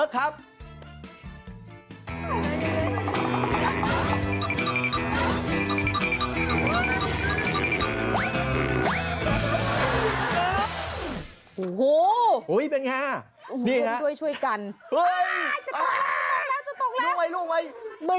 ขอบคุณทุกครับ